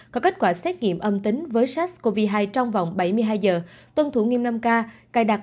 có kết quả xét nghiệm âm tính với sars cov hai trong vòng bảy mươi hai giờ tuân thủ nghiêm năm k cài đặt